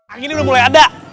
anginnya udah mulai ada